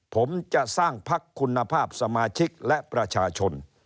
ผมจะสร้างพักคุณภาพสมาชิกและประชาชน